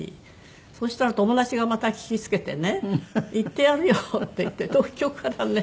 そしたら友達がまた聞きつけてね「行ってやるよ」って言って東京からね